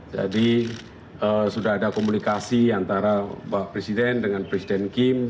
jadi sudah ada komunikasi antara bapak presiden dengan presiden kim